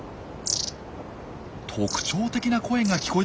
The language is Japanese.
特徴的な声が聞こえてきました。